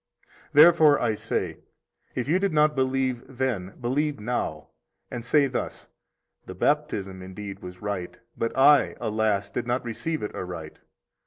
56 Therefore I say, if you did not believe then believe now and say thus: The baptism indeed was right, but I, alas! did not receive it aright.